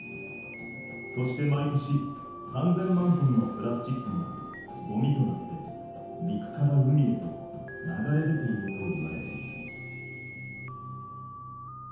そして毎年３０００万トンのプラスチックがごみとなって陸から海へと流れ出ているといわれている。